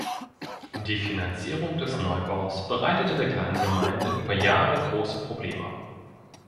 Die Finanzierung des Neubaus bereitete der kleinen Gemeinde über Jahre große Probleme.